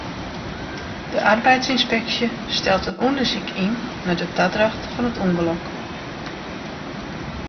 De arbeidsynspeksje stelt in ûndersyk yn nei de tadracht fan it ûngelok.